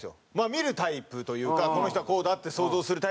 見るタイプというかこの人はこうだって想像するタイプなんですけど。